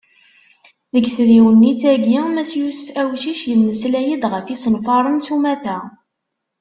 Deg tdiwennit-agi, mass Yusef Awcic, yemmeslay-d ɣef yisenfaren s umata.